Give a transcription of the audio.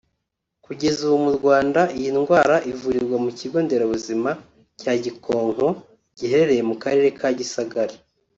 Kugeza ubu mu Rwanda iyi ndwara ivurirwa mu kigo nderabuzima cya Gikonko giherereye mu Karere ka Gisagara